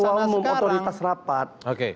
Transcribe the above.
ketua umum otoritas rapat